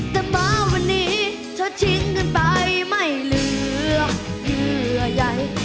แต่เบอร์วันนี้เธอทิ้งกันไปไม่เหลือเหยื่อใหญ่